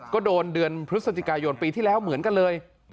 ก็โดนเดือนพฤศจิกายนปีที่แล้วเหมือนกันเลย